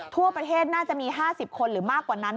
ทั่วประเทศน่าจะมี๕๐คนหรือมากกว่านั้น